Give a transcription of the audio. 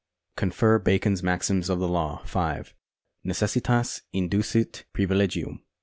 Cf. Bacon's Maxims of the Law, 5 : Necessitas inducit privilegium.